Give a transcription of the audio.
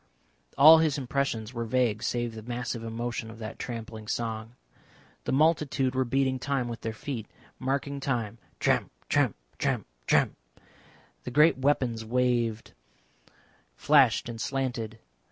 All his impressions were vague save the massive emotion of that trampling song. The multitude were beating time with their feet marking time, tramp, tramp, tramp, tramp. The green weapons waved, flashed and slanted.